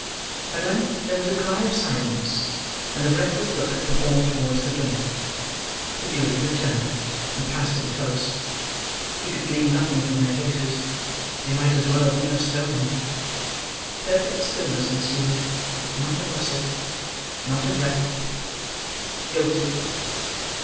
At length there was a cry of silence, and a breathless look from all towards the door. The jury returned, and passed him close. He could glean nothing from their faces; they might as well have been of stone. Perfect stillness ensued—not a rustle—not a breath—Guilty.